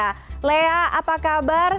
nah lea apa kabar